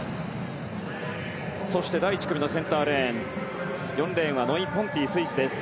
そして第１組のセンターレーン４レーンはノイ・ポンティスイスです。